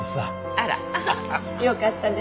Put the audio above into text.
あらよかったですね。